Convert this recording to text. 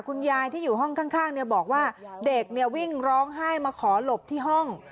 คุณยายที่อยู่ห้องข้างบอกว่าเด็กวิ่งร้องไห้มาขอหลบที่ห้อง